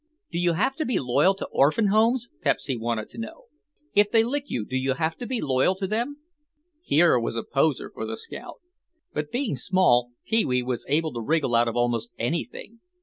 "Do you have to be loyal to orphan homes?" Pepsy wanted to know. "If they lick you do you have to be loyal to them?" Here was a poser for the scout. But being small Pee wee was able to wriggle out of almost anything.